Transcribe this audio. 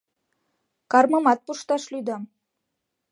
Кармымат пушташ лӱдам.